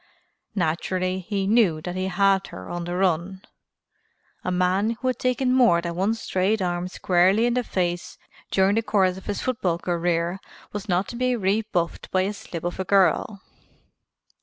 Naturally he knew that he had her on the run. A man who had taken more than one straight arm squarely in the face during the course of his football career was not to be rebuffed by a slip of a girl.